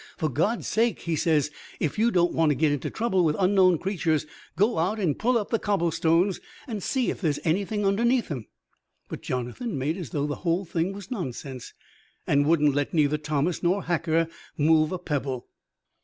For God's sake," he says, "if you don't want to get into trouble with unknown creatures, go out and pull up the cobblestones, and see if there's anything underneath 'em." But Jonathan made as though the whole thing was nonsense, and wouldn't let neither Thomas nor Hacker move a pebble.